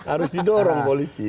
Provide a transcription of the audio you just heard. harus didorong polisi